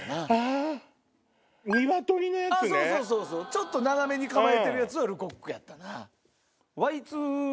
ちょっと斜めに構えてるヤツはルコックやったな。